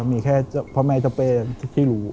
มันแม่มีแค่พ่อแม่จะเป็นที่รู้